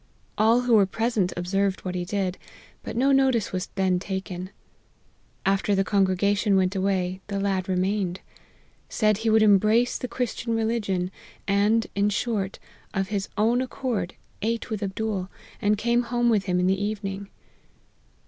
All who were present observed what he did, but no notice was then taken. After the congregation went away, the .ad remained ; said he would embrace the Christian religion, and, in short, of his own accord ate with Abdool, and came home with him in the evening."